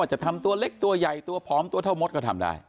จะทำตัวเล็กตัวใหญ่ตัวผอมตัวเท่ามดก็ทำได้